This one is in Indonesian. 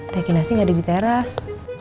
teh kinasi gak ada di teras